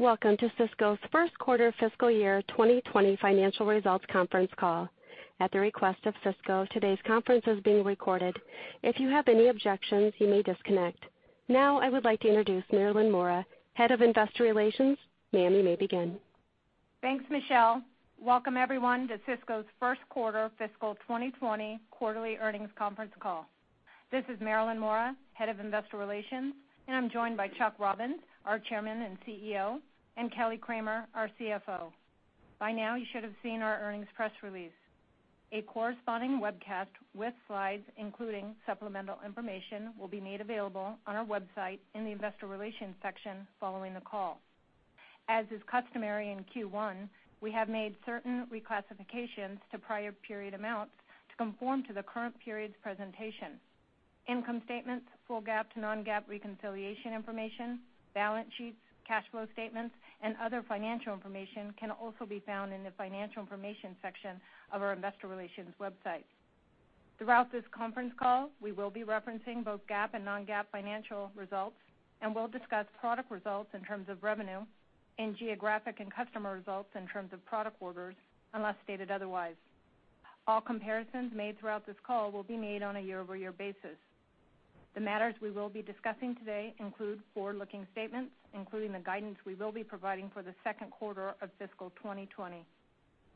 Welcome to Cisco's first quarter fiscal year 2020 financial results conference call. At the request of Cisco, today's conference is being recorded. If you have any objections, you may disconnect. Now I would like to introduce Marilyn Mora, Head of Investor Relations. Ma'am, you may begin. Thanks, Michelle. Welcome, everyone, to Cisco's first quarter fiscal 2020 quarterly earnings conference call. This is Marilyn Mora, Head of Investor Relations, and I'm joined by Chuck Robbins, our Chairman and CEO, and Kelly Kramer, our CFO. By now, you should have seen our earnings press release. A corresponding webcast with slides, including supplemental information, will be made available on our website in the investor relations section following the call. As is customary in Q1, we have made certain reclassifications to prior period amounts to conform to the current period's presentation. Income statements, full GAAP to non-GAAP reconciliation information, balance sheets, cash flow statements, and other financial information can also be found in the financial information section of our investor relations website. Throughout this conference call, we will be referencing both GAAP and non-GAAP financial results, and we'll discuss product results in terms of revenue and geographic and customer results in terms of product orders, unless stated otherwise. All comparisons made throughout this call will be made on a year-over-year basis. The matters we will be discussing today include forward-looking statements, including the guidance we will be providing for the second quarter of fiscal 2020.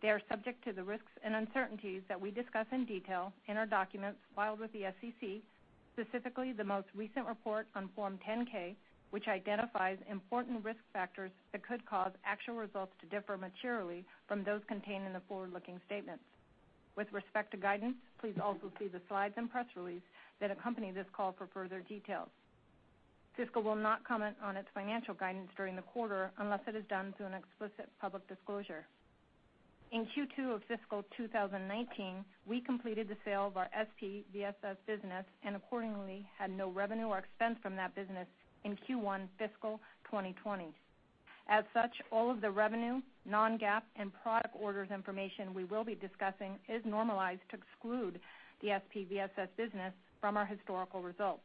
They are subject to the risks and uncertainties that we discuss in detail in our documents filed with the SEC, specifically the most recent report on Form 10-K, which identifies important risk factors that could cause actual results to differ materially from those contained in the forward-looking statements. With respect to guidance, please also see the slides and press release that accompany this call for further details. Cisco will not comment on its financial guidance during the quarter unless it is done through an explicit public disclosure. In Q2 of fiscal 2019, we completed the sale of our SPVSS business and accordingly had no revenue or expense from that business in Q1 fiscal 2020. As such, all of the revenue, non-GAAP and product orders information we will be discussing is normalized to exclude the SPVSS business from our historical results.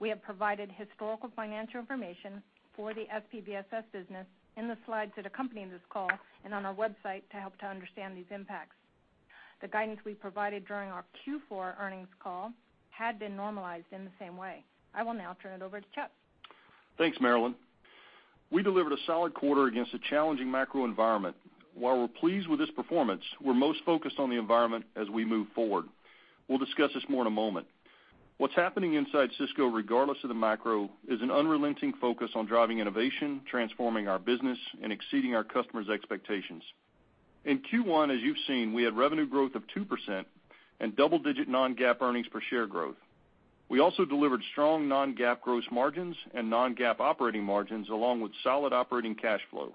We have provided historical financial information for the SPVSS business in the slides that accompany this call and on our website to help to understand these impacts. The guidance we provided during our Q4 earnings call had been normalized in the same way. I will now turn it over to Chuck. Thanks, Marilyn. We delivered a solid quarter against a challenging macro environment. While we're pleased with this performance, we're most focused on the environment as we move forward. We'll discuss this more in a moment. What's happening inside Cisco, regardless of the macro, is an unrelenting focus on driving innovation, transforming our business, and exceeding our customers' expectations. In Q1, as you've seen, we had revenue growth of 2% and double-digit non-GAAP earnings per share growth. We also delivered strong non-GAAP gross margins and non-GAAP operating margins, along with solid operating cash flow.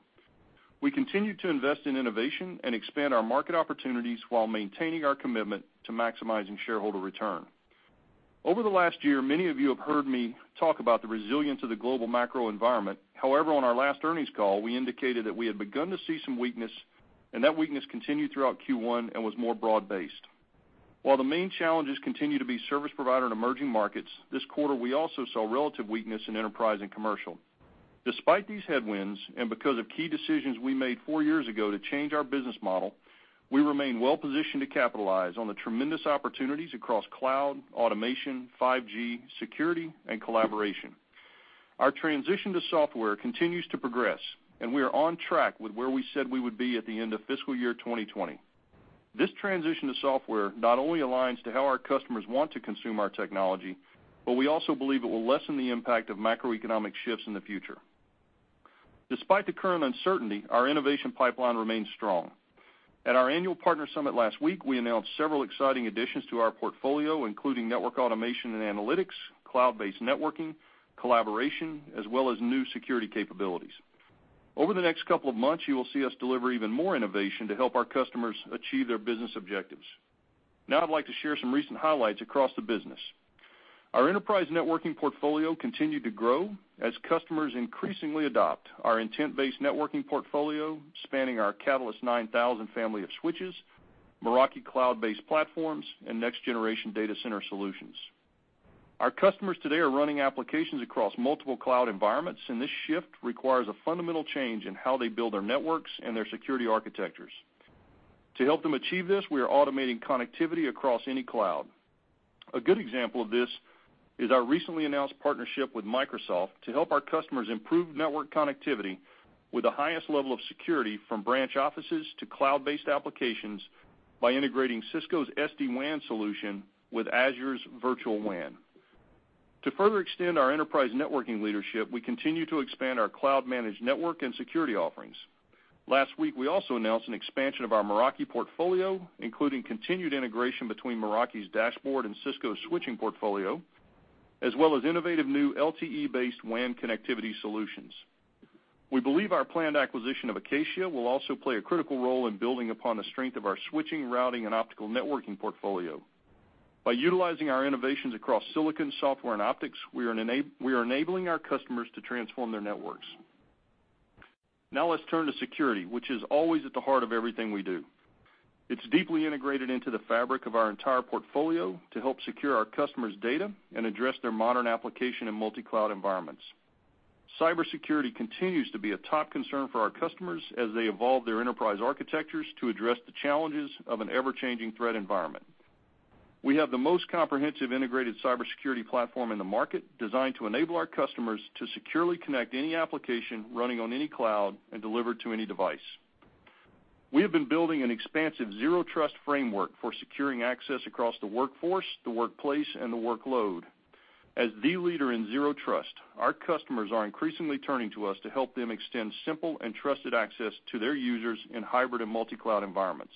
We continue to invest in innovation and expand our market opportunities while maintaining our commitment to maximizing shareholder return. Over the last year, many of you have heard me talk about the resilience of the global macro environment. On our last earnings call, we indicated that we had begun to see some weakness, and that weakness continued throughout Q1 and was more broad-based. While the main challenges continue to be service provider in emerging markets, this quarter, we also saw relative weakness in enterprise and commercial. Despite these headwinds, and because of key decisions we made four years ago to change our business model, we remain well positioned to capitalize on the tremendous opportunities across cloud, automation, 5G, security, and collaboration. Our transition to software continues to progress, and we are on track with where we said we would be at the end of fiscal year 2020. This transition to software not only aligns to how our customers want to consume our technology, but we also believe it will lessen the impact of macroeconomic shifts in the future. Despite the current uncertainty, our innovation pipeline remains strong. At our annual partner summit last week, we announced several exciting additions to our portfolio, including network automation and analytics, cloud-based networking, collaboration, as well as new security capabilities. Over the next couple of months, you will see us deliver even more innovation to help our customers achieve their business objectives. Now I'd like to share some recent highlights across the business. Our enterprise networking portfolio continued to grow as customers increasingly adopt our intent-based networking portfolio, spanning our Catalyst 9000 family of switches, Meraki cloud-based platforms, and next-generation data center solutions. Our customers today are running applications across multiple cloud environments, and this shift requires a fundamental change in how they build their networks and their security architectures. To help them achieve this, we are automating connectivity across any cloud. A good example of this is our recently announced partnership with Microsoft to help our customers improve network connectivity with the highest level of security from branch offices to cloud-based applications by integrating Cisco's SD-WAN solution with Azure's Virtual WAN. To further extend our enterprise networking leadership, we continue to expand our cloud-managed network and security offerings. Last week, we also announced an expansion of our Meraki portfolio, including continued integration between Meraki's dashboard and Cisco's switching portfolio, as well as innovative new LTE-based WAN connectivity solutions. We believe our planned acquisition of Acacia will also play a critical role in building upon the strength of our switching, routing, and optical networking portfolio. By utilizing our innovations across silicon, software, and optics, we are enabling our customers to transform their networks. Now let's turn to security, which is always at the heart of everything we do. It's deeply integrated into the fabric of our entire portfolio to help secure our customers' data and address their modern application and multi-cloud environments. Cybersecurity continues to be a top concern for our customers as they evolve their enterprise architectures to address the challenges of an ever-changing threat environment. We have the most comprehensive integrated cybersecurity platform in the market, designed to enable our customers to securely connect any application running on any cloud and deliver to any device. We have been building an expansive zero trust framework for securing access across the workforce, the workplace, and the workload. As the leader in zero trust, our customers are increasingly turning to us to help them extend simple and trusted access to their users in hybrid and multi-cloud environments.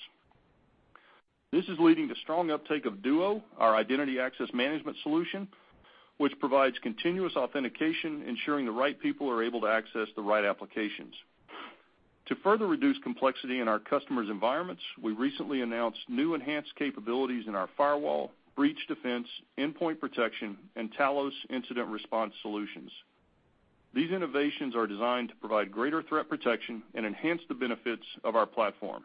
This is leading to strong uptake of Duo, our identity access management solution, which provides continuous authentication, ensuring the right people are able to access the right applications. To further reduce complexity in our customers' environments, we recently announced new enhanced capabilities in our firewall, breach defense, endpoint protection, and Talos incident response solutions. These innovations are designed to provide greater threat protection and enhance the benefits of our platform.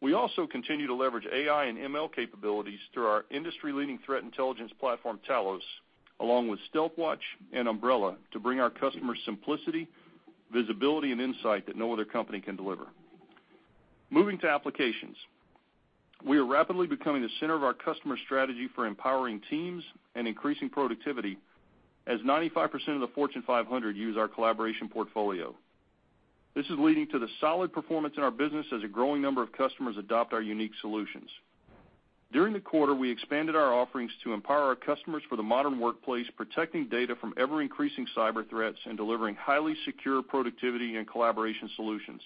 We also continue to leverage AI and ML capabilities through our industry-leading threat intelligence platform, Talos, along with Stealthwatch and Umbrella, to bring our customers simplicity, visibility, and insight that no other company can deliver. Moving to applications. We are rapidly becoming the center of our customer strategy for empowering teams and increasing productivity, as 95% of the Fortune 500 use our collaboration portfolio. This is leading to the solid performance in our business as a growing number of customers adopt our unique solutions. During the quarter, we expanded our offerings to empower our customers for the modern workplace, protecting data from ever-increasing cyber threats and delivering highly secure productivity and collaboration solutions.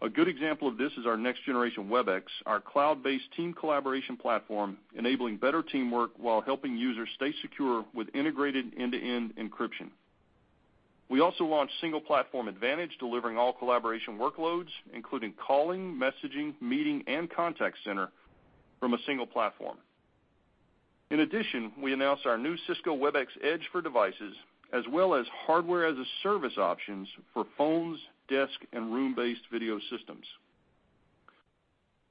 A good example of this is our next-generation Webex, our cloud-based team collaboration platform, enabling better teamwork while helping users stay secure with integrated end-to-end encryption. We also launched Single Platform Advantage, delivering all collaboration workloads, including calling, messaging, meeting, and contact center from a single platform. We announced our new Cisco Webex Edge for Devices, as well as hardware-as-a-service options for phones, desk, and room-based video systems.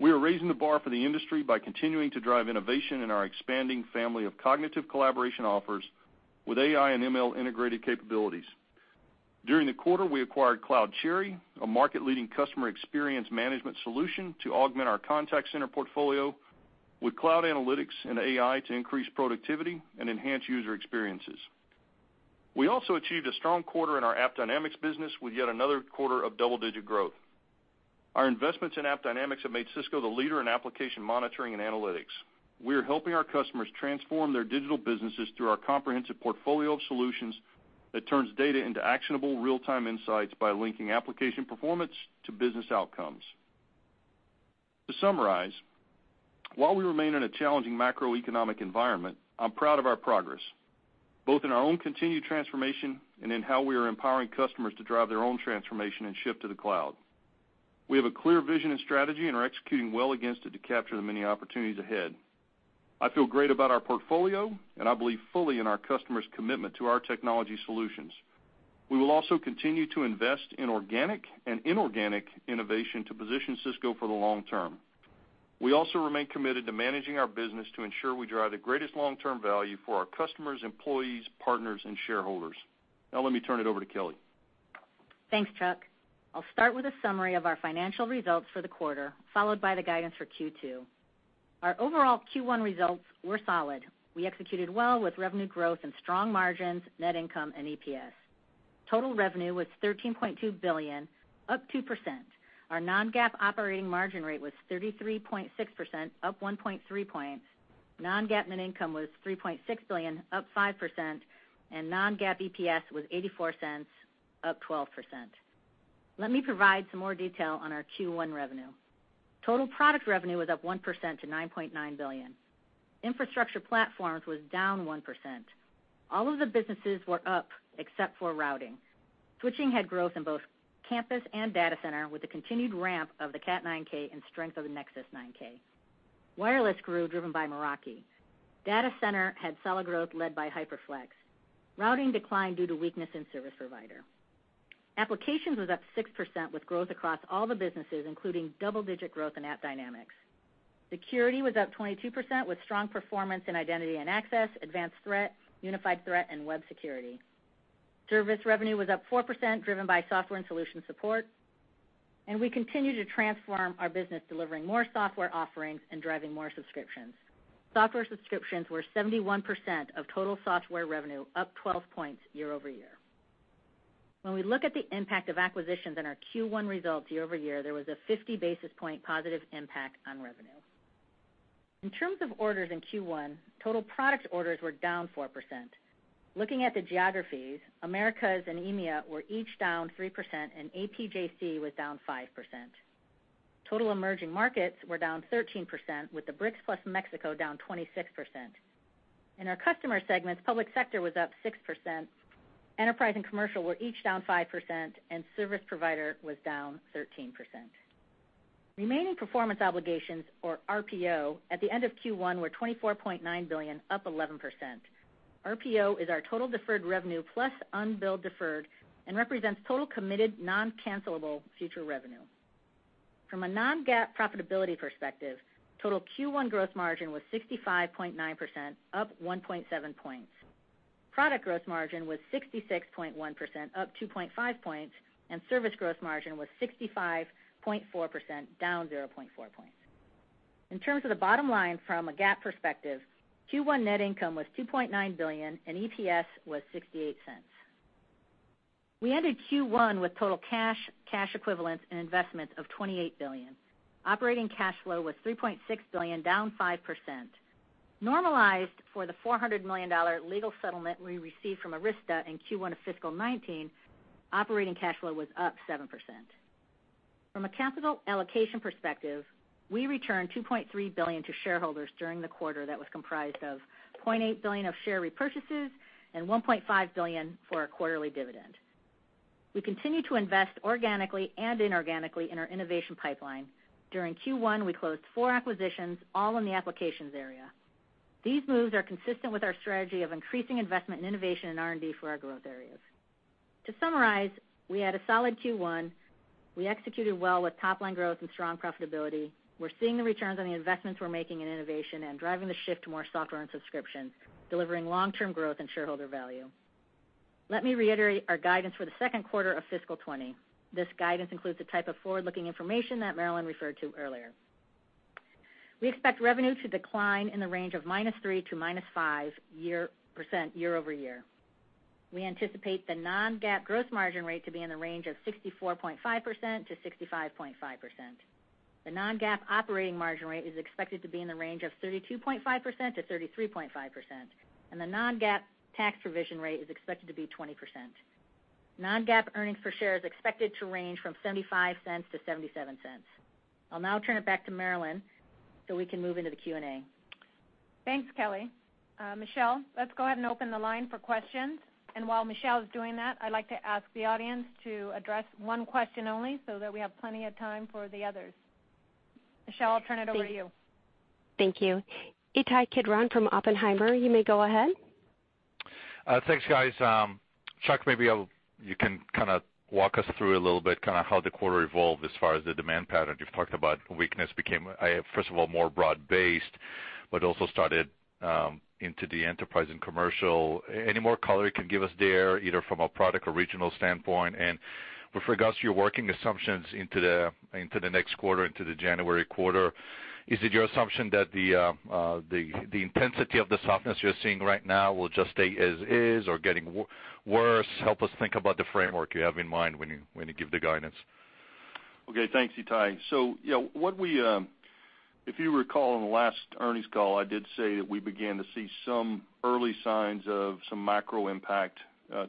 We are raising the bar for the industry by continuing to drive innovation in our expanding family of cognitive collaboration offers with AI and ML integrated capabilities. During the quarter, we acquired CloudCherry, a market-leading customer experience management solution to augment our contact center portfolio with cloud analytics and AI to increase productivity and enhance user experiences. We also achieved a strong quarter in our AppDynamics business with yet another quarter of double-digit growth. Our investments in AppDynamics have made Cisco the leader in application monitoring and analytics. We are helping our customers transform their digital businesses through our comprehensive portfolio of solutions that turns data into actionable real-time insights by linking application performance to business outcomes. To summarize, while we remain in a challenging macroeconomic environment, I'm proud of our progress, both in our own continued transformation and in how we are empowering customers to drive their own transformation and shift to the cloud. We have a clear vision and strategy and are executing well against it to capture the many opportunities ahead. I feel great about our portfolio, and I believe fully in our customers' commitment to our technology solutions. We will also continue to invest in organic and inorganic innovation to position Cisco for the long term. We also remain committed to managing our business to ensure we drive the greatest long-term value for our customers, employees, partners, and shareholders. Now let me turn it over to Kelly. Thanks, Chuck. I'll start with a summary of our financial results for the quarter, followed by the guidance for Q2. Our overall Q1 results were solid. We executed well with revenue growth and strong margins, net income, and EPS. Total revenue was $13.2 billion, up 2%. Our non-GAAP operating margin rate was 33.6%, up 1.3 points. Non-GAAP net income was $3.6 billion, up 5%, and non-GAAP EPS was $0.84, up 12%. Let me provide some more detail on our Q1 revenue. Total product revenue was up 1% to $9.9 billion. Infrastructure platforms was down 1%. All of the businesses were up except for routing. Switching had growth in both campus and data center with the continued ramp of the Cat9K and strength of the Nexus 9K. Wireless grew driven by Meraki. Data center had solid growth led by HyperFlex. Routing declined due to weakness in service provider. Applications was up 6% with growth across all the businesses, including double-digit growth in AppDynamics. Security was up 22% with strong performance in identity and access, advanced threat, unified threat, and web security. Service revenue was up 4%, driven by software and solution support. We continue to transform our business, delivering more software offerings and driving more subscriptions. Software subscriptions were 71% of total software revenue, up 12 points year-over-year. When we look at the impact of acquisitions in our Q1 results year-over-year, there was a 50 basis point positive impact on revenue. In terms of orders in Q1, total product orders were down 4%. Looking at the geographies, Americas and EMEAR were each down 3% and APJC was down 5%. Total emerging markets were down 13%, with the BRICS+Mexico down 26%. In our customer segments, public sector was up 6%, enterprise and commercial were each down 5%, and service provider was down 13%. Remaining performance obligations, or RPO, at the end of Q1 were $24.9 billion, up 11%. RPO is our total deferred revenue plus unbilled deferred and represents total committed non-cancelable future revenue. From a non-GAAP profitability perspective, total Q1 gross margin was 65.9%, up 1.7 points. Product gross margin was 66.1%, up 2.5 points, and service gross margin was 65.4%, down 0.4 points. In terms of the bottom line from a GAAP perspective, Q1 net income was $2.9 billion, and EPS was $0.68. We ended Q1 with total cash equivalents, and investments of $28 billion. Operating cash flow was $3.6 billion, down 5%. Normalized for the $400 million legal settlement we received from Arista in Q1 of fiscal 2019, operating cash flow was up 7%. From a capital allocation perspective, we returned $2.3 billion to shareholders during the quarter that was comprised of $0.8 billion of share repurchases and $1.5 billion for our quarterly dividend. We continue to invest organically and inorganically in our innovation pipeline. During Q1, we closed four acquisitions, all in the applications area. These moves are consistent with our strategy of increasing investment in innovation and R&D for our growth areas. To summarize, we had a solid Q1. We executed well with top-line growth and strong profitability. We're seeing the returns on the investments we're making in innovation and driving the shift to more software and subscriptions, delivering long-term growth and shareholder value. Let me reiterate our guidance for the second quarter of fiscal 2020. This guidance includes the type of forward-looking information that Marilyn referred to earlier. We expect revenue to decline in the range of -3% to -5% year-over-year. We anticipate the non-GAAP gross margin rate to be in the range of 64.5%-65.5%. The non-GAAP operating margin rate is expected to be in the range of 32.5%-33.5%, and the non-GAAP tax provision rate is expected to be 20%. non-GAAP earnings per share is expected to range from $0.75-$0.77. I'll now turn it back to Marilyn, so we can move into the Q&A. Thanks, Kelly. Michelle, let's go ahead and open the line for questions. While Michelle is doing that, I'd like to ask the audience to address one question only so that we have plenty of time for the others. Michelle, I'll turn it over to you. Thank you. Ittai Kidron from Oppenheimer, you may go ahead. Thanks, guys. Chuck, maybe you can walk us through a little bit how the quarter evolved as far as the demand pattern. You've talked about weakness became, first of all, more broad-based, also started into the enterprise and commercial. Any more color you can give us there, either from a product or regional standpoint? With regards to your working assumptions into the next quarter, into the January quarter, is it your assumption that the intensity of the softness you're seeing right now will just stay as is or getting worse? Help us think about the framework you have in mind when you give the guidance. Okay. Thanks, Ittai. If you recall on the last earnings call, I did say that we began to see some early signs of some macro impact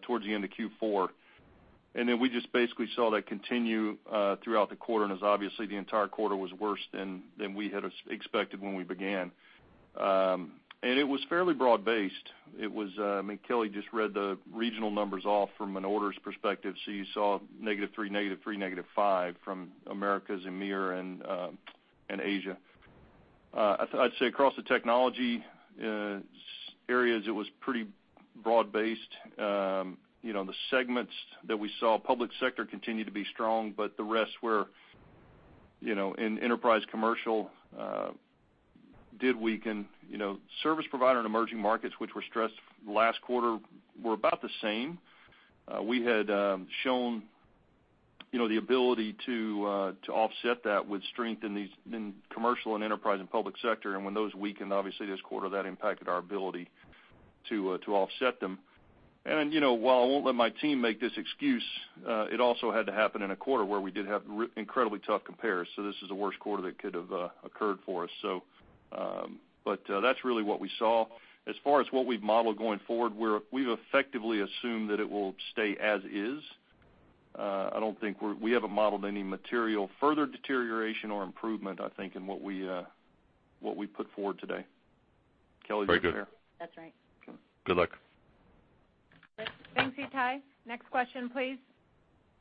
towards the end of Q4. Then we just basically saw that continue throughout the quarter, and as obviously the entire quarter was worse than we had expected when we began. It was fairly broad-based. Kelly just read the regional numbers off from an orders perspective, so you saw negative three, negative three, negative five from Americas, EMEAR, and Asia. I'd say across the technology areas, it was pretty broad based. The segments that we saw, public sector continued to be strong, but the rest were in enterprise commercial did weaken. Service provider and emerging markets, which were stressed last quarter, were about the same. We had shown the ability to offset that with strength in commercial and enterprise and public sector. When those weakened, obviously, this quarter, that impacted our ability to offset them. While I won't let my team make this excuse, it also had to happen in a quarter where we did have incredibly tough compares. This is the worst quarter that could have occurred for us. That's really what we saw. As far as what we've modeled going forward, we've effectively assumed that it will stay as is. We haven't modeled any material further deterioration or improvement, I think, in what we put forward today. Kelly's up here. Very good. That's right. Good luck. Thanks, Ittai. Next question, please.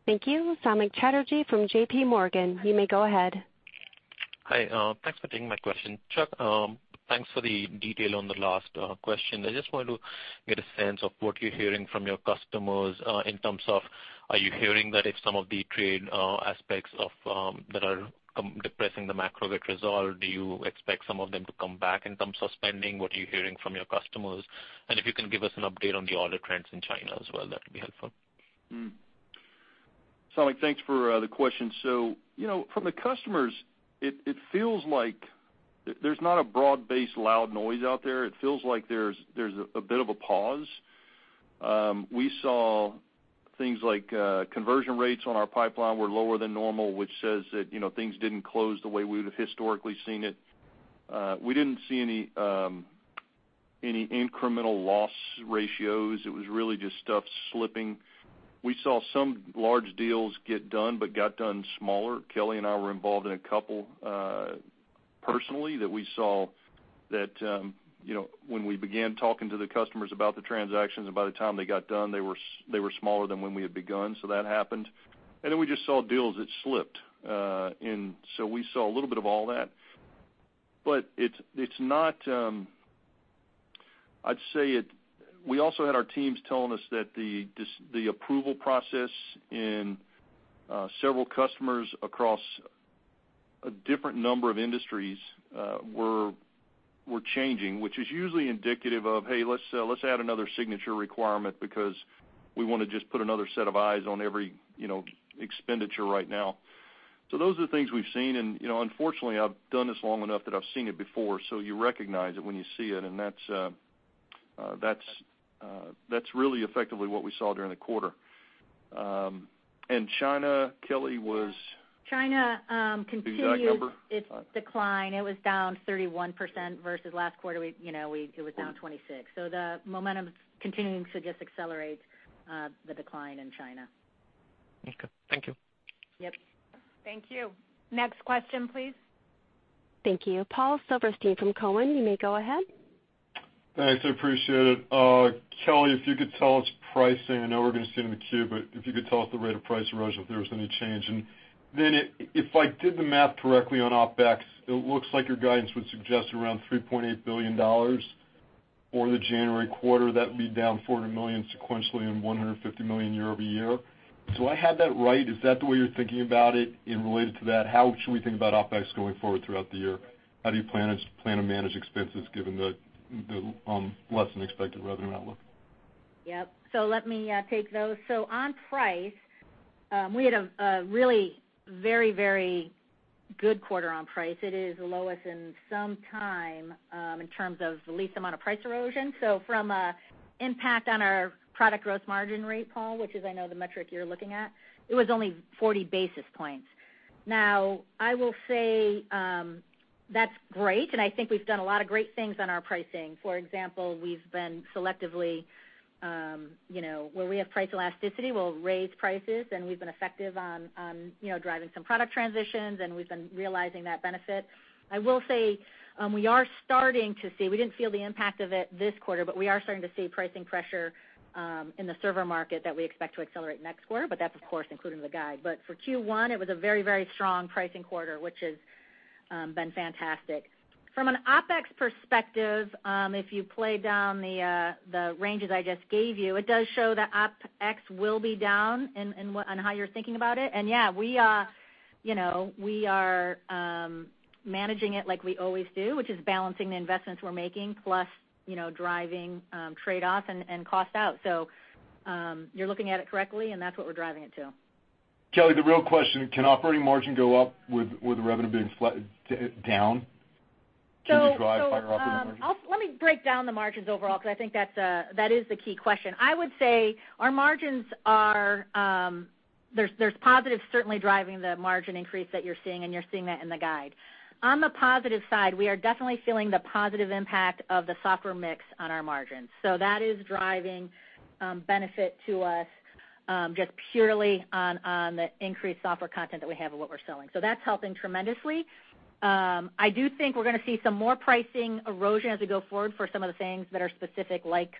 Thank you. Samik Chatterjee from J.P. Morgan, you may go ahead. Hi. Thanks for taking my question. Chuck, thanks for the detail on the last question. I just wanted to get a sense of what you're hearing from your customers in terms of, are you hearing that if some of the trade aspects that are depressing the macro get resolved, do you expect some of them to come back in terms of spending? What are you hearing from your customers? If you can give us an update on the order trends in China as well, that would be helpful. Samik, thanks for the question. From the customers, it feels like there's not a broad-based loud noise out there. It feels like there's a bit of a pause. We saw things like conversion rates on our pipeline were lower than normal, which says that things didn't close the way we would've historically seen it. We didn't see any incremental loss ratios. It was really just stuff slipping. We saw some large deals get done, but got done smaller. Kelly and I were involved in a couple personally that we saw that when we began talking to the customers about the transactions, and by the time they got done, they were smaller than when we had begun. That happened. We just saw deals that slipped. We saw a little bit of all that. We also had our teams telling us that the approval process in several customers across a different number of industries were changing, which is usually indicative of, hey, let's add another signature requirement because we want to just put another set of eyes on every expenditure right now. Those are the things we've seen, unfortunately, I've done this long enough that I've seen it before, you recognize it when you see it, and that's really effectively what we saw during the quarter. China, Kelly, was- China continues- The exact number its decline. It was down 31% versus last quarter, it was down 26%. The momentum's continuing to just accelerate the decline in China. Okay. Thank you. Yep. Thank you. Next question, please. Thank you. Paul Silverstein from Cowen, you may go ahead. Thanks. I appreciate it. Kelly, if you could tell us pricing. I know we're going to see it in the queue, but if you could tell us the rate of price erosion, if there was any change. If I did the math correctly on OpEx, it looks like your guidance would suggest around $3.8 billion for the January quarter. That would be down $400 million sequentially and $150 million year-over-year. Do I have that right? Is that the way you're thinking about it? Related to that, how should we think about OpEx going forward throughout the year? How do you plan to manage expenses given the less than expected revenue outlook? Yep. Let me take those. On price, we had a really very good quarter on price. It is the lowest in some time in terms of the least amount of price erosion. From an impact on our product gross margin rate, Paul, which is, I know, the metric you're looking at, it was only 40 basis points. I will say, that's great, and I think we've done a lot of great things on our pricing. For example, we've been selective where we have price elasticity, we'll raise prices, and we've been effective on driving some product transitions, and we've been realizing that benefit. I will say, we are starting to see, we didn't feel the impact of it this quarter, but we are starting to see pricing pressure in the server market that we expect to accelerate next quarter, but that's, of course, included in the guide. For Q1, it was a very strong pricing quarter, which has been fantastic. From an OpEx perspective, if you play down the ranges I just gave you, it does show that OpEx will be down on how you're thinking about it. Yeah, we are managing it like we always do, which is balancing the investments we're making, plus driving trade-offs and cost out. You're looking at it correctly, and that's what we're driving it to. Kelly, the real question, can operating margin go up with the revenue being down? So- Can you drive higher operating margin? Let me break down the margins overall because I think that is the key question. I would say our margins are. There's positives certainly driving the margin increase that you're seeing, and you're seeing that in the guide. On the positive side, we are definitely feeling the positive impact of the software mix on our margins. That is driving benefit to us, just purely on the increased software content that we have and what we're selling. That's helping tremendously. I do think we're going to see some more pricing erosion as we go forward for some of the things that are specific, like,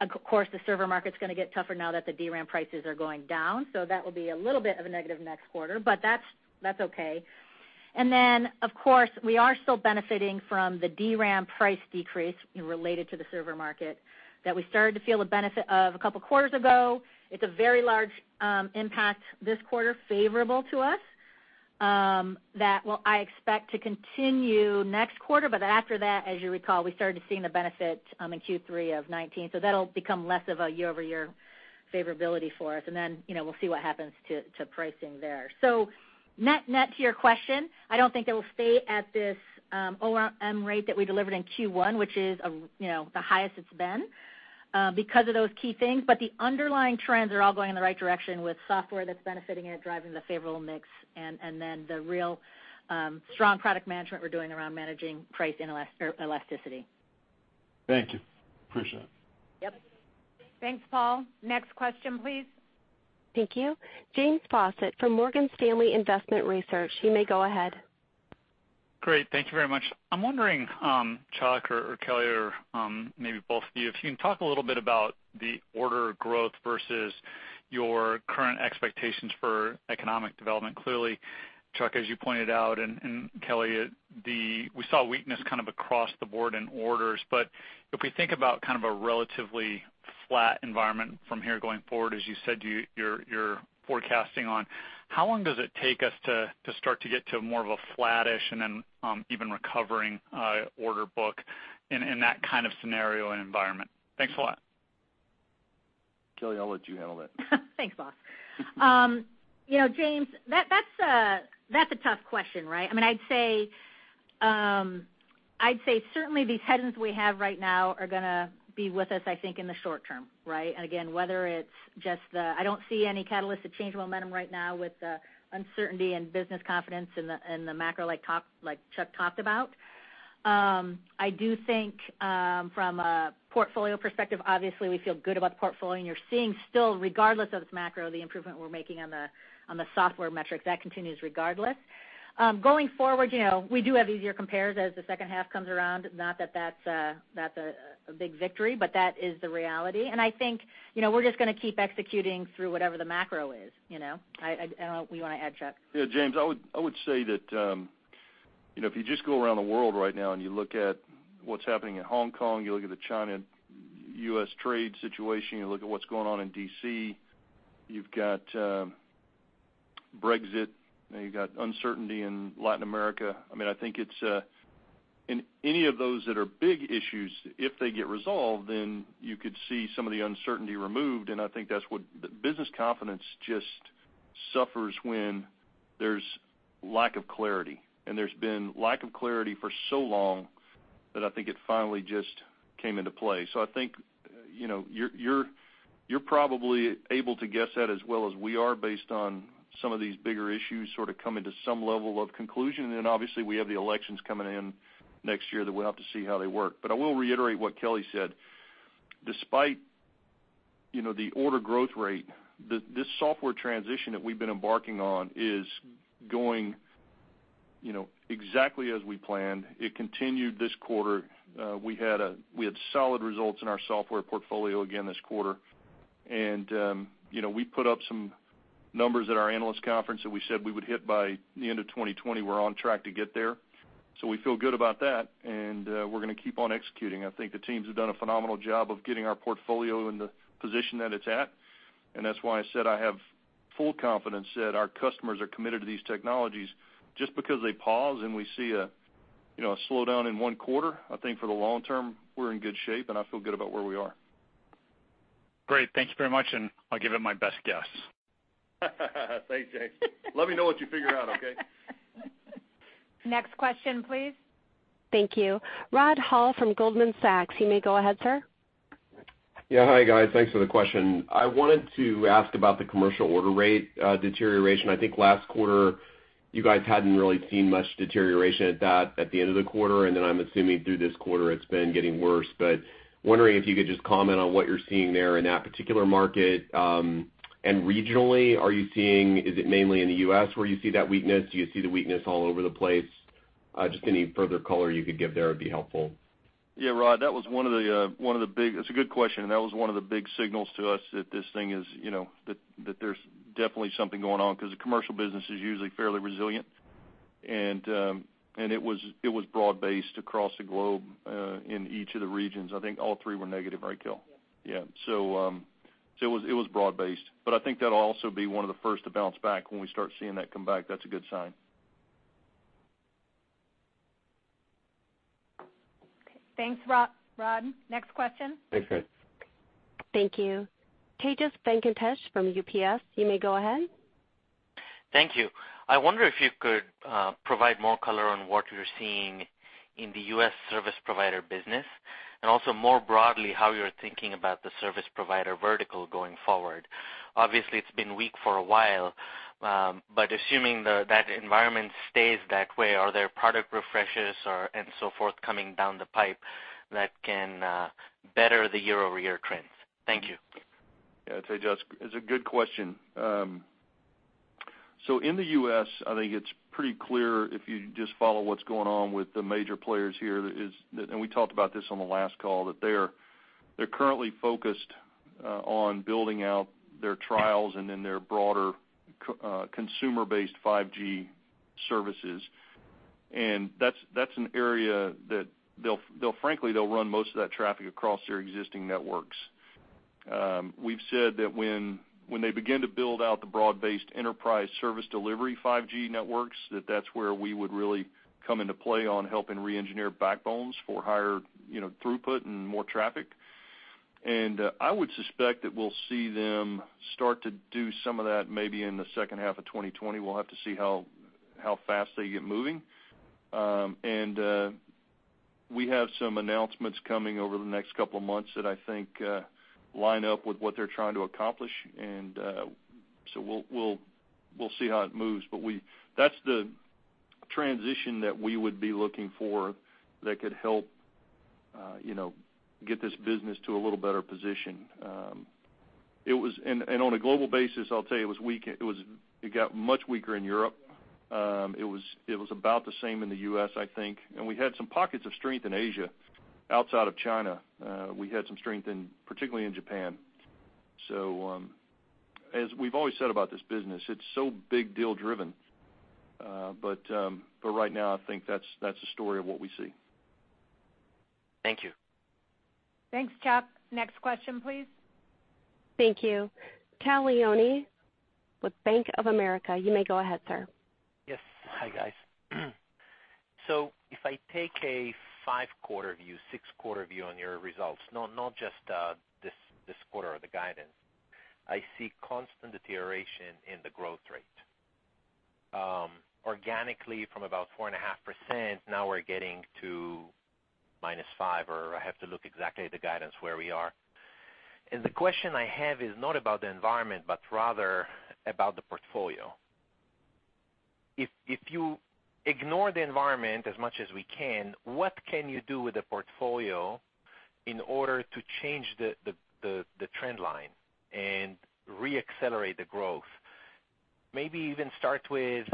of course, the server market's going to get tougher now that the DRAM prices are going down. That will be a little bit of a negative next quarter, but that's okay. Of course, we are still benefiting from the DRAM price decrease related to the server market that we started to feel the benefit of a couple of quarters ago. It's a very large impact this quarter, favorable to us, that I expect to continue next quarter. After that, as you recall, we started seeing the benefit in Q3 of 2019. That'll become less of a year-over-year favorability for us. We'll see what happens to pricing there. Net to your question, I don't think it will stay at this OPM rate that we delivered in Q1, which is the highest it's been because of those key things. The underlying trends are all going in the right direction with software that's benefiting it, driving the favorable mix, and then the real strong product management we're doing around managing price elasticity. Thank you. Appreciate it. Yep. Thanks, Paul. Next question, please. Thank you. James Faucette from Morgan Stanley Investment Research. You may go ahead. Great. Thank you very much. I'm wondering, Chuck or Kelly, or maybe both of you, if you can talk a little bit about the order growth versus your current expectations for economic development. Clearly, Chuck, as you pointed out, and Kelly, we saw weakness kind of across the board in orders. If we think about kind of a relatively flat environment from here going forward, as you said you're forecasting on, how long does it take us to start to get to more of a flattish and then even recovering order book in that kind of scenario and environment? Thanks a lot. Kelly, I'll let you handle that. Thanks, boss. James, that's a tough question, right? I'd say certainly these headings we have right now are going to be with us, I think, in the short term, right? Again, I don't see any catalyst to change momentum right now with the uncertainty and business confidence and the macro like Chuck talked about. I do think from a portfolio perspective, obviously, we feel good about the portfolio, and you're seeing still, regardless of this macro, the improvement we're making on the software metrics. That continues regardless. Going forward, we do have easier compares as the second half comes around, not that that's a big victory, but that is the reality. I think we're just going to keep executing through whatever the macro is. I don't know if you want to add, Chuck? Yeah, James, I would say that if you just go around the world right now and you look at what's happening in Hong Kong, you look at the China-U.S. trade situation, you look at what's going on in D.C. You've got Brexit, you've got uncertainty in Latin America. I think any of those that are big issues, if they get resolved, then you could see some of the uncertainty removed, and I think that's what business confidence just suffers when there's lack of clarity. There's been lack of clarity for so long that I think it finally just came into play. I think you're probably able to guess that as well as we are based on some of these bigger issues sort of coming to some level of conclusion. Obviously, we have the elections coming in next year that we'll have to see how they work. I will reiterate what Kelly said. Despite the order growth rate, this software transition that we've been embarking on is going exactly as we planned. It continued this quarter. We had solid results in our software portfolio again this quarter, and we put up some numbers at our analyst conference that we said we would hit by the end of 2020. We're on track to get there. We feel good about that, and we're going to keep on executing. I think the teams have done a phenomenal job of getting our portfolio in the position that it's at, and that's why I said I have full confidence that our customers are committed to these technologies just because they pause and we see a slowdown in one quarter. I think for the long term, we're in good shape, and I feel good about where we are. Great. Thank you very much, and I'll give it my best guess. Thanks, James. Let me know what you figure out, okay? Next question, please. Thank you. Rod Hall from Goldman Sachs, you may go ahead, sir. Hi, guys. Thanks for the question. I wanted to ask about the commercial order rate deterioration. I think last quarter, you guys hadn't really seen much deterioration at the end of the quarter, and then I'm assuming through this quarter it's been getting worse. Wondering if you could just comment on what you're seeing there in that particular market. Regionally, is it mainly in the U.S. where you see that weakness? Do you see the weakness all over the place? Just any further color you could give there would be helpful. Yeah, Rod, it's a good question, and that was one of the big signals to us that there's definitely something going on because the commercial business is usually fairly resilient, and it was broad-based across the globe, in each of the regions. I think all three were negative, right, Kelly? Yes. Yeah. It was broad based, but I think that'll also be one of the first to bounce back. When we start seeing that come back, that's a good sign. Okay. Thanks, Rod. Next question. Thanks, guys. Thank you. Tejas Venkatesh from UBS, you may go ahead. Thank you. I wonder if you could provide more color on what you're seeing in the U.S. service provider business, and also more broadly, how you're thinking about the service provider vertical going forward. Obviously, it's been weak for a while. Assuming that environment stays that way, are there product refreshes and so forth coming down the pipe that can better the year-over-year trends? Thank you. Yeah, Tejas, it's a good question. In the U.S., I think it's pretty clear if you just follow what's going on with the major players here, and we talked about this on the last call, that they're currently focused on building out their trials and then their broader consumer-based 5G services. That's an area that, frankly, they'll run most of that traffic across their existing networks. We've said that when they begin to build out the broad-based enterprise service delivery 5G networks, that that's where we would really come into play on helping re-engineer backbones for higher throughput and more traffic. I would suspect that we'll see them start to do some of that maybe in the second half of 2020. We'll have to see how fast they get moving. We have some announcements coming over the next couple of months that I think line up with what they're trying to accomplish, and so we'll see how it moves. That's the transition that we would be looking for that could help get this business to a little better position. On a global basis, I'll tell you, it got much weaker in Europe. It was about the same in the U.S., I think. We had some pockets of strength in Asia, outside of China. We had some strength particularly in Japan. As we've always said about this business, it's so big deal driven. Right now, I think that's the story of what we see. Thank you. Thanks, Chuck. Next question, please. Thank you. Tal Liani with Bank of America. You may go ahead, sir. Yes. Hi, guys. If I take a five-quarter view, six-quarter view on your results, not just this quarter or the guidance, I see constant deterioration in the growth rate. Organically, from about 4.5%, now we're getting to -5%, or I have to look exactly at the guidance where we are. The question I have is not about the environment, but rather about the portfolio. If you ignore the environment as much as we can, what can you do with the portfolio in order to change the trend line and re-accelerate the growth? Maybe even start with,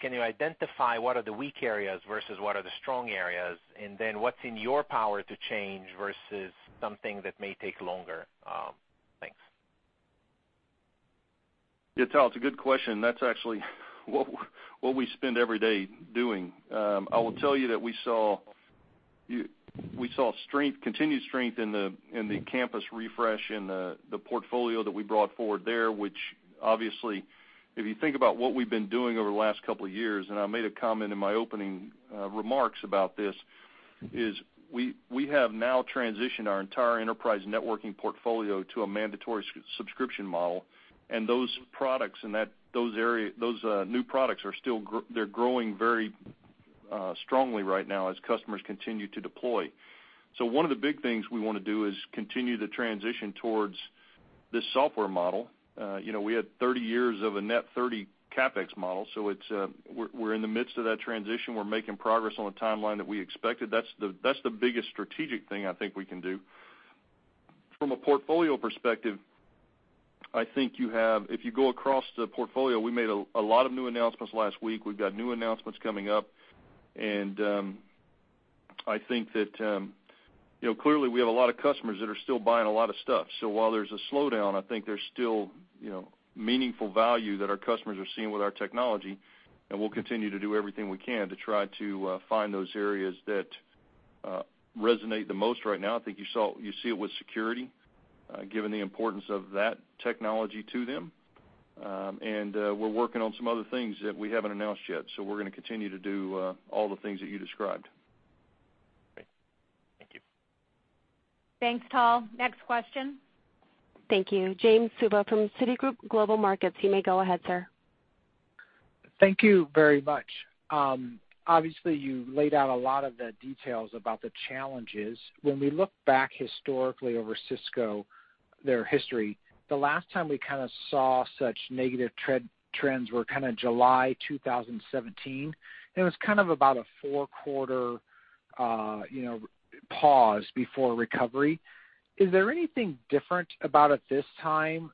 can you identify what are the weak areas versus what are the strong areas? What's in your power to change versus something that may take longer? Thanks. Yeah, Tal, it's a good question. That's actually what we spend every day doing. I will tell you that we saw continued strength in the campus refresh in the portfolio that we brought forward there, which obviously, if you think about what we've been doing over the last couple of years, and I made a comment in my opening remarks about this, is we have now transitioned our entire enterprise networking portfolio to a mandatory subscription model, and those new products, they're growing very strongly right now as customers continue to deploy. One of the big things we want to do is continue the transition towards this software model. We had 30 years of a net 30 CapEx model, we're in the midst of that transition. We're making progress on the timeline that we expected. That's the biggest strategic thing I think we can do. From a portfolio perspective, I think if you go across the portfolio, we made a lot of new announcements last week. We've got new announcements coming up. I think that, clearly, we have a lot of customers that are still buying a lot of stuff. While there's a slowdown, I think there's still meaningful value that our customers are seeing with our technology, and we'll continue to do everything we can to try to find those areas that resonate the most right now. I think you see it with security, given the importance of that technology to them. We're working on some other things that we haven't announced yet. We're going to continue to do all the things that you described. Great. Thank you. Thanks, Tal. Next question. Thank you. James Suva from Citigroup Global Markets. You may go ahead, sir. Thank you very much. Obviously, you laid out a lot of the details about the challenges. When we look back historically over Cisco, their history, the last time we kind of saw such negative trends were July 2017, and it was kind of about a four-quarter pause before recovery. Is there anything different about it this time?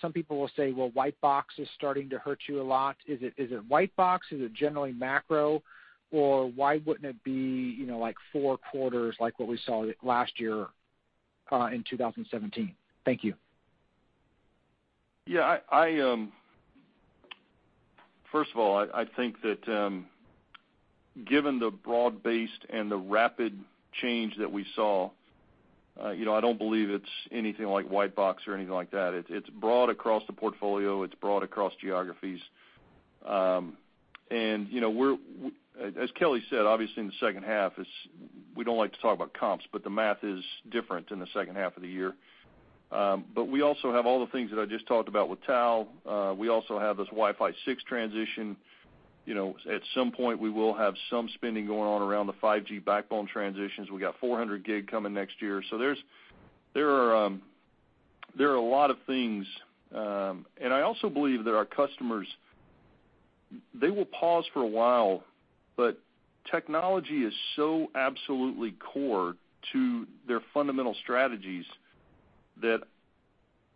Some people will say, "Well, white box is starting to hurt you a lot." Is it white box? Is it generally macro? Why wouldn't it be four quarters like what we saw last year in 2017? Thank you. Yeah. First of all, I think that given the broad-based and the rapid change that we saw, I don't believe it's anything like white box or anything like that. It's broad across the portfolio. It's broad across geographies. As Kelly said, obviously in the second half, we don't like to talk about comps, but the math is different in the second half of the year. We also have all the things that I just talked about with Tal. We also have this Wi-Fi 6 transition. At some point, we will have some spending going on around the 5G backbone transitions. We got 400 Gig coming next year. There are a lot of things. I also believe that our customers, they will pause for a while, but technology is so absolutely core to their fundamental strategies that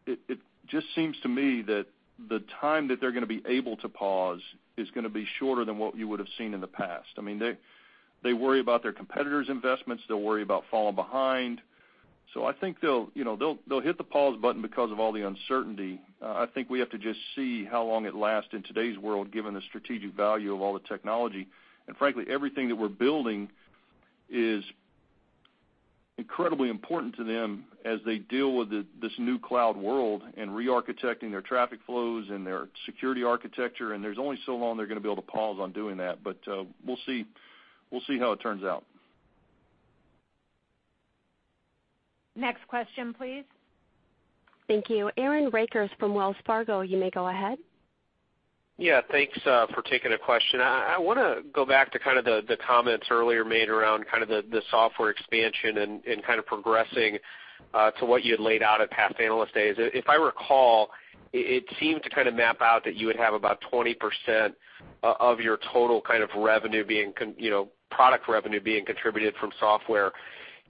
it just seems to me that the time that they're going to be able to pause is going to be shorter than what you would've seen in the past. They worry about their competitors' investments. They'll worry about falling behind. I think they'll hit the pause button because of all the uncertainty. I think we have to just see how long it lasts in today's world, given the strategic value of all the technology. Frankly, everything that we're building is incredibly important to them as they deal with this new cloud world and re-architecting their traffic flows and their security architecture, and there's only so long they're going to be able to pause on doing that. We'll see how it turns out. Next question, please. Thank you. Aaron Rakers from Wells Fargo, you may go ahead. Thanks for taking the question. I want to go back to kind of the comments earlier made around kind of the software expansion and kind of progressing to what you had laid out at past Analyst Days. If I recall, it seemed to kind of map out that you would have about 20% of your total kind of product revenue being contributed from software.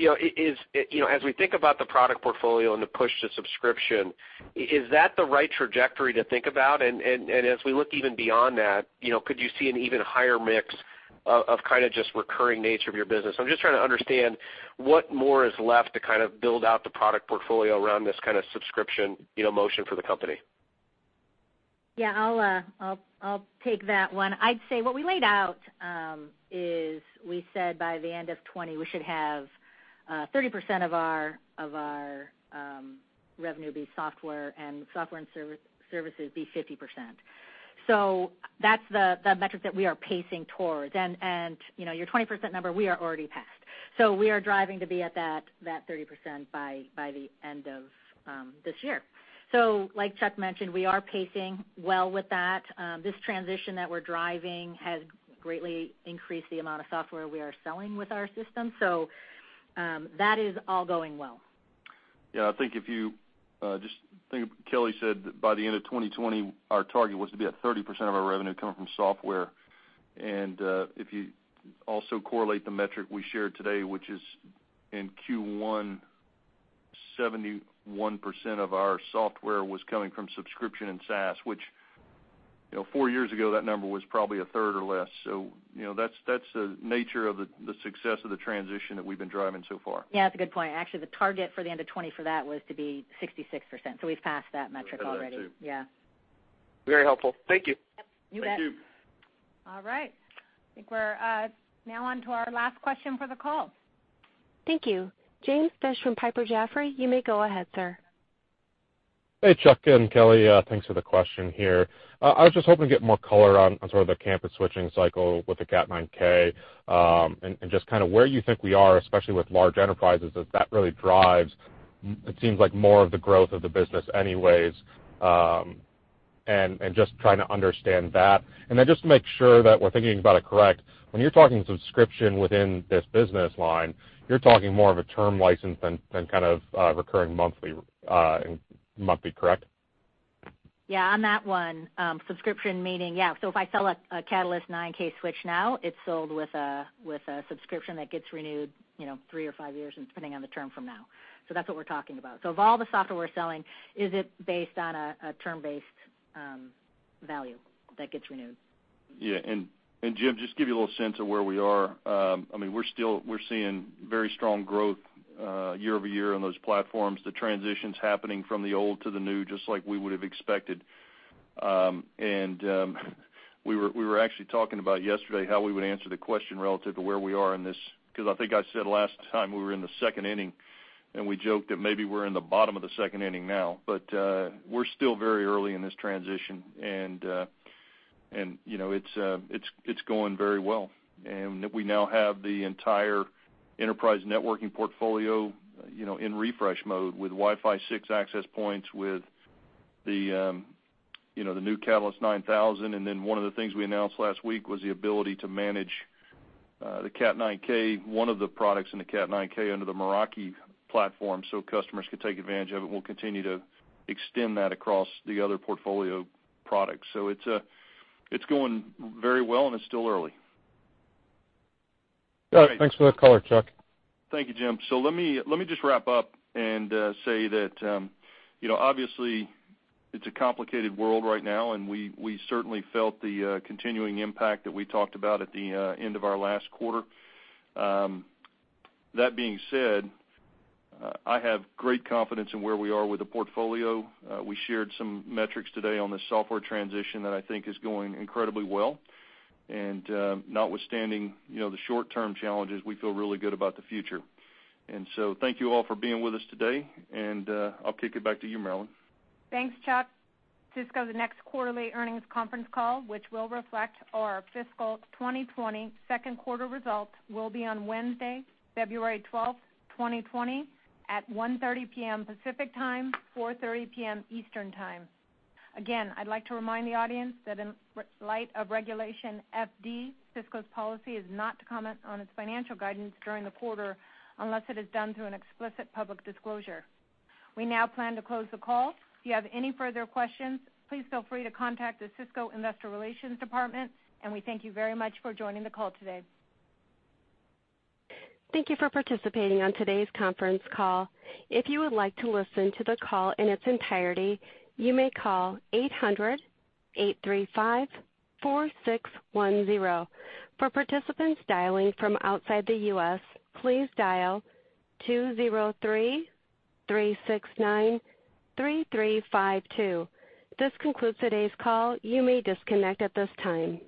As we think about the product portfolio and the push to subscription, is that the right trajectory to think about? As we look even beyond that, could you see an even higher mix of kind of just recurring nature of your business? I'm just trying to understand what more is left to kind of build out the product portfolio around this kind of subscription motion for the company. Yeah, I'll take that one. I'd say what we laid out is we said by the end of 2020, we should have 30% of our revenue be software and software and services be 50%. That's the metric that we are pacing towards. Your 20% number, we are already past. We are driving to be at that 30% by the end of this year. Like Chuck mentioned, we are pacing well with that. This transition that we're driving has greatly increased the amount of software we are selling with our system. That is all going well. I think if you just think, Kelly said that by the end of 2020, our target was to be at 30% of our revenue coming from software. If you also correlate the metric we shared today, which is in Q1, 71% of our software was coming from subscription and SaaS, which four years ago, that number was probably a third or less. That's the nature of the success of the transition that we've been driving so far. Yeah, that's a good point. Actually, the target for the end of 2020 for that was to be 66%. We've passed that metric already. That too. Yeah. Very helpful. Thank you. Yep. You bet. Thank you. All right. I think we're now on to our last question for the call. Thank you. James Fish from Piper Jaffray, you may go ahead, sir. Hey, Chuck and Kelly. Thanks for the question here. I was just hoping to get more color on sort of the campus switching cycle with the Cat9K, and just kind of where you think we are, especially with large enterprises, as that really drives, it seems like more of the growth of the business anyways. Just trying to understand that. Just to make sure that we're thinking about it correct, when you're talking subscription within this business line, you're talking more of a term license than kind of recurring monthly, correct? On that one, subscription meaning. If I sell a Catalyst 9K switch now, it's sold with a subscription that gets renewed three or five years, depending on the term from now. That's what we're talking about. Of all the software we're selling, is it based on a term-based value that gets renewed. Jim, just give you a little sense of where we are. We're seeing very strong growth year-over-year on those platforms. The transition's happening from the old to the new, just like we would've expected. We were actually talking about yesterday how we would answer the question relative to where we are in this, because I think I said last time we were in the second inning, we joked that maybe we're in the bottom of the second inning now. We're still very early in this transition, and it's going very well. We now have the entire enterprise networking portfolio in refresh mode with Wi-Fi 6 access points, with the new Catalyst 9000. One of the things we announced last week was the ability to manage the Cat9K, one of the products in the Cat9K under the Meraki platform so customers could take advantage of it. We'll continue to extend that across the other portfolio products. It's going very well, and it's still early. Got it. Thanks for that color, Chuck. Thank you, Jim. Let me just wrap up and say that, obviously, it's a complicated world right now, and we certainly felt the continuing impact that we talked about at the end of our last quarter. That being said, I have great confidence in where we are with the portfolio. We shared some metrics today on the software transition that I think is going incredibly well. Notwithstanding the short-term challenges, we feel really good about the future. Thank you all for being with us today, and I'll kick it back to you, Marilyn. Thanks, Chuck. Cisco's next quarterly earnings conference call, which will reflect our FY 2020 second quarter results, will be on Wednesday, February 12th, 2020, at 1:30 p.m. Pacific Time, 4:30 p.m. Eastern Time. I'd like to remind the audience that in light of Regulation FD, Cisco's policy is not to comment on its financial guidance during the quarter unless it is done through an explicit public disclosure. We now plan to close the call. If you have any further questions, please feel free to contact the Cisco investor relations department, and we thank you very much for joining the call today. Thank you for participating on today's conference call. If you would like to listen to the call in its entirety, you may call 800-835-4610. For participants dialing from outside the U.S., please dial 203-369-3352. This concludes today's call. You may disconnect at this time.